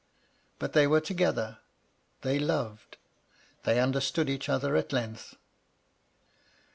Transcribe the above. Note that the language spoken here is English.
But they were together : they loved : they understood each other at length.